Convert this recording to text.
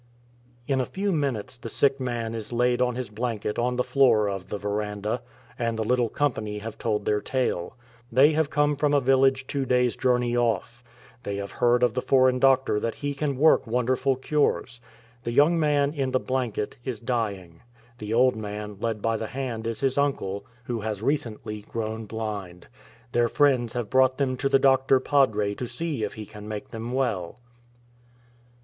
In a few minutes the sick man is laid in his blanket on the floor of the verandah, and the little company have told their tale. They have come from a village two days' journey off. They have heard of the foreign doctor that he can work wonderful cures. The young man in the blanket is dying ; the old man led by the hand is his uncle, who has recently grown blind. Their friends have brought them to the Doctor Padre to see if he can make them well.